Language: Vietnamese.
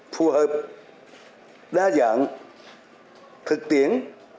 phù hợp đa dạng thực tiến